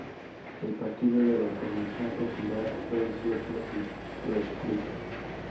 El Partido de la Convención Popular fue disuelto y proscrito.